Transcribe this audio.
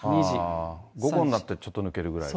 午後になってちょっと抜けるぐらい。